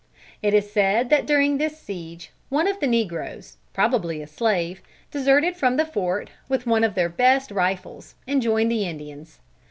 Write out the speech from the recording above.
It is said that during this siege, one of the negroes, probably a slave, deserted from the fort with one of their best rifles, and joined the Indians.